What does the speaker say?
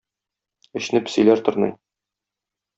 Эчне песиләр тырный